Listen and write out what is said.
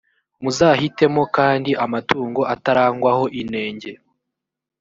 muzahitemo kandi amatungo atarangwaho inenge.